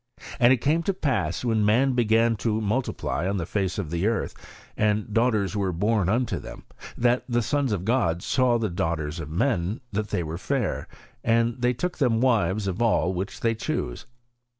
^' And it came to pass, when men began to multiply on the face of the earth, and daughters were bom unto them, that the sons of God saw the daughters of men, that they were fair ; and they took them wives of all which they chose.